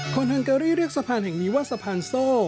ฮังการีเรียกสะพานแห่งนี้ว่าสะพานโซ่